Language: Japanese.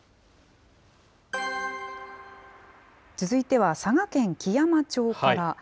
続いては佐賀県基山町から。